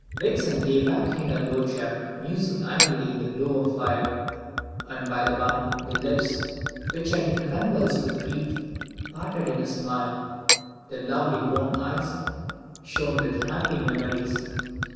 Vixen lay back in her low chair, musing idly in the glow of the fire, and by and by the lips which had been convulsed with grief parted in a smile, the lovely brown eyes shone with happy memories.